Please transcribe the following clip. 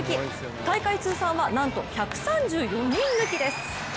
大会通算はなんと１３４人抜きです。